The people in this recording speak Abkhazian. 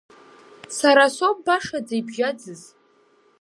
Сара соуп башаӡа ибжьаӡыз.